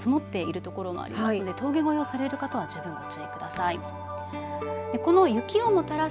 あの、峠では積もっているところもありますので峠越えをされる方は十分ご注意ください。